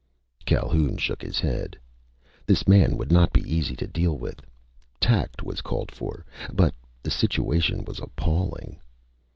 Calhoun shook his head. This man would not be easy to deal with. Tact was called for. But the situation was appalling.